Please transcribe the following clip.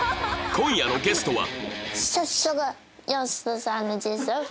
今夜のゲストは